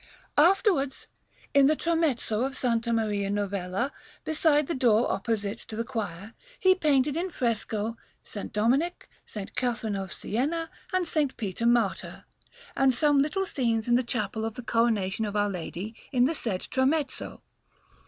Afterwards, in the tramezzo of S. Maria Novella, beside the door opposite to the choir, he painted in fresco S. Dominic, S. Catherine of Siena, and S. Peter Martyr; and some little scenes in the Chapel of the Coronation of Our Lady in the said tramezzo.